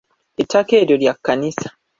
Ettaka eryo lya kkanisa